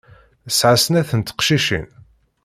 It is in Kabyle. Tesɛa snat n teqcicin.